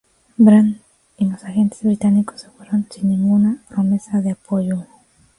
Brant y los agentes británicos se fueron sin ninguna promesa de apoyo.